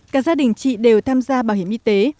cả gia đình chị đều tham gia bảo hiểm y tế